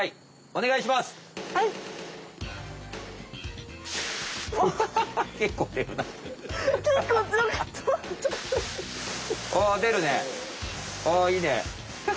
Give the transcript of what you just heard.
おおいいね。